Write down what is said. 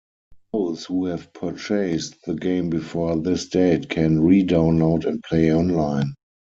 Those who have purchased the game before this date can re-download and play online.